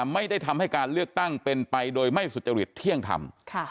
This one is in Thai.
ไม่ได้ทำให้การเลือกตั้งเป็นไปโดยไม่สุจริตเที่ยงธรรม